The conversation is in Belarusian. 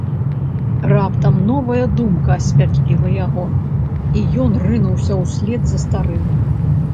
Раптам новая думка асвятліла яго, і ён рынуўся ўслед за старым.